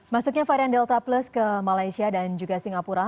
masuknya varian delta plus ke malaysia dan juga singapura